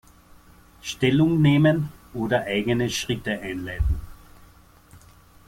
Stellung nehmen oder eigene Schritte einleiten.